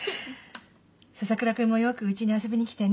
笹倉君もよくうちに遊びに来てね